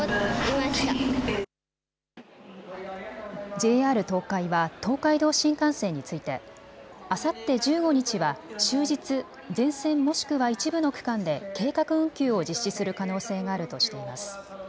ＪＲ東海は東海道新幹線についてあさって１５日は終日、全線もしくは一部の区間で計画運休を実施する可能性があるとしています。